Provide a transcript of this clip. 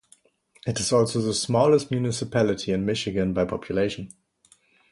It is also the smallest municipality in Michigan by population.